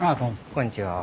こんにちは。